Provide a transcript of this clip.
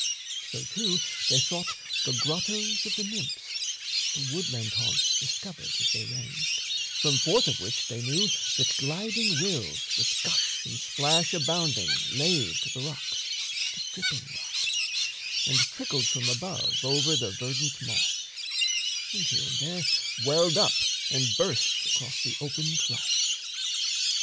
So, too, they sought the grottos of the Nymphs The woodland haunts discovered as they ranged From forth of which they knew that gliding rills With gush and splash abounding laved the rocks, The dripping rocks, and trickled from above Over the verdant moss; and here and there Welled up and burst across the open flats.